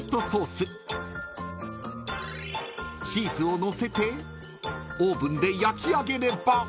［チーズを載せてオーブンで焼き上げれば］